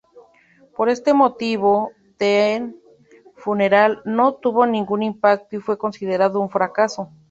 Por este motivo, "The Funeral" no tuvo ningún impacto y fue considerado un fracaso.